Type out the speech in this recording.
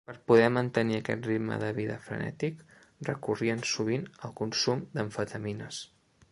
Per poder mantenir aquest ritme de vida frenètic, recorrien sovint al consum d'amfetamines.